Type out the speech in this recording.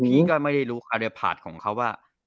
นี่ก็ไม่ได้รู้คาเดียพาทของเขาว่า